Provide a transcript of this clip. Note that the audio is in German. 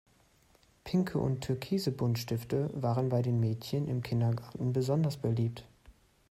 Pinke und türkise Buntstifte waren bei den Mädchen im Kindergarten besonders beliebt.